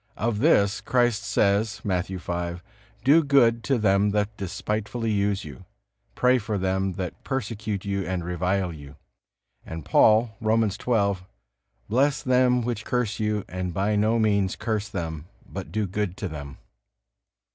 Of this Christ says, Matthew v: "Do good to them that despitefully use you. Pray for them that persecute you and revile you." And Paul, Romans xii: "Bless them which curse you, and by no means curse them, but do good to them."